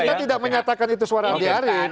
kita tidak menyatakan itu suara andi arief